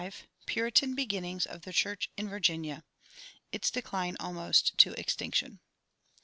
THE PURITAN BEGINNINGS OF THE CHURCH IN VIRGINIA ITS DECLINE ALMOST TO EXTINCTION.